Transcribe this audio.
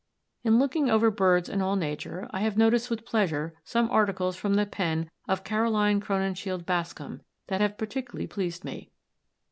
In looking over BIRDS AND ALL NATURE I have noticed with pleasure some articles from the pen of Caroline Crowninshield Bascom that have particularly pleased me.